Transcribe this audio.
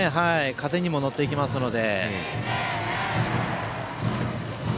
風にも乗っていきますので。